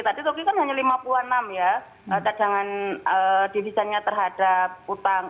tadi turki kan hanya lima puluh enam ya cadangan devisanya terhadap utang